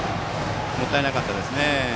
もったいなかったですね。